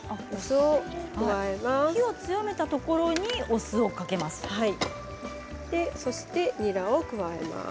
火を強めたところにお酢をかけます。